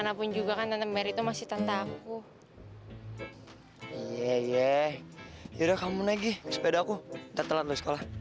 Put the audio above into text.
tapi di jalan dia minta turun gitu